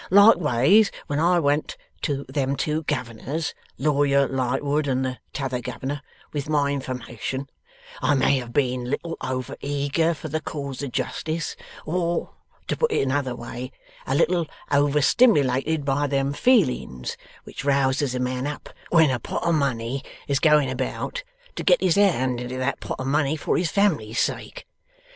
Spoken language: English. Likeways when I went to them two Governors, Lawyer Lightwood and the t'other Governor, with my information, I may have been a little over eager for the cause of justice, or (to put it another way) a little over stimilated by them feelings which rouses a man up, when a pot of money is going about, to get his hand into that pot of money for his family's sake.